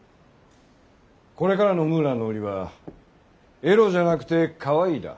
これからのムーランの売りは「エロ」じゃなくて「可愛い」だ。